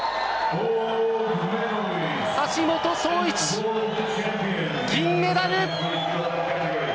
橋本壮市、銀メダル！